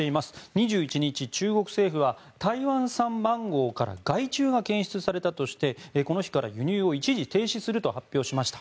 ２１日、中国政府は台湾産マンゴーから害虫が検出されたとしてこの日から輸入を一時停止すると発表しました。